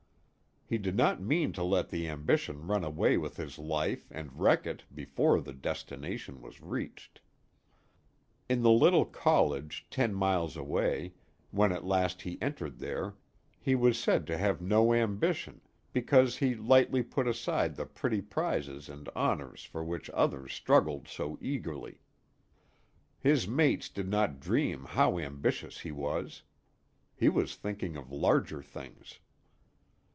He did not mean to let the ambition run away with his life and wreck it before the destination was reached. In the little college ten miles away, when at last he entered there, he was said to have no ambition, because he lightly put aside the petty prizes and honors for which others struggled so eagerly. His mates did not dream how ambitious he was. He was thinking of larger things.